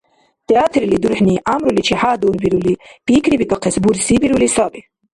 Театрли дурхӀни гӀямруличи хӀядурбирули, пикрибикӀахъес бурсибирули саби.